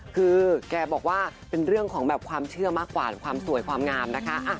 คือแกบอกว่าเป็นเรื่องของแบบความเชื่อมากกว่าความสวยความงามนะคะ